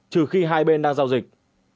trừ khi hai bên đang giao dịch